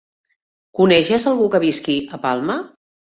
Coneixes algú que visqui a Palma?